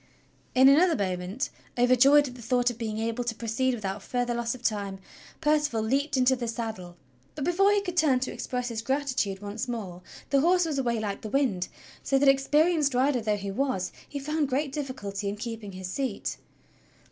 In another moment, overjoyed at the thought of being able to pro ceed without further loss of time, Percival leaped into the saddle; but, before he could turn to express his gratitude once more, the horse was away like the wind, so that, experienced rider though he was, he found great difficulty in keeping his seat.